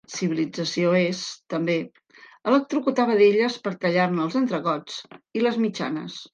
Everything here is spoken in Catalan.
Civilització és, també, electrocutar vedelles per tallar-ne els entrecots i les mitjanes.